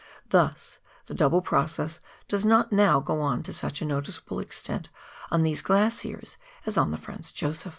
Thus the double process does not now go on to such a noticeable extent on these glaciers as on the Franz Josef.